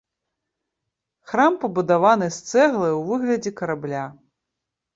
Храм пабудаваны з цэглы ў выглядзе карабля.